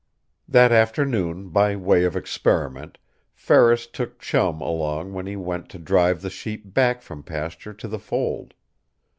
That afternoon, by way of experiment, Ferris took Chum along when he went to drive the sheep back from pasture to the fold.